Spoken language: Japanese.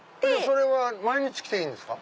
それは毎日来ていいんですか？